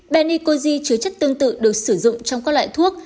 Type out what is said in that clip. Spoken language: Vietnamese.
benicozi chứa chất tương tự được sử dụng trong các loại thuốc